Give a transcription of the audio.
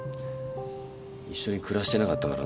一緒に暮らしてなかったからな。